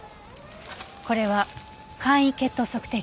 これは簡易血糖測定器ね。